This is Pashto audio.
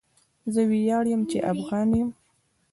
زه ویاړم چی افغان يم